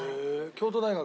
京都大学？